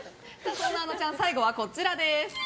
そんな、あのちゃん最後はこちらです。